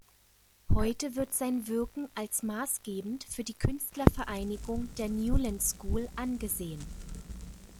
Heute wird sein Wirken als maßgebend für die Künstlervereinigung der Newlyn School angesehen.